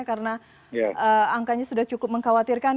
karena angkanya sudah cukup mengkhawatirkan